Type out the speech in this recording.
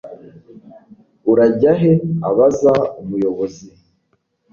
urajya he? abaza umuyobozi